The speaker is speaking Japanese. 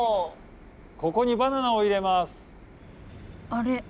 あれ？